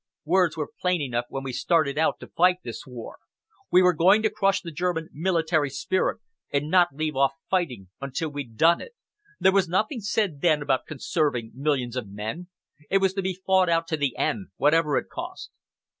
Words were plain enough when we started out to fight this war. We were going to crush the German military spirit and not leave off fighting until we'd done it. There was nothing said then about conserving millions of men. It was to be fought out to the end, whatever it cost."